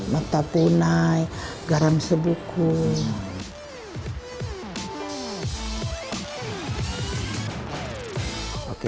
mata punai garam sebuku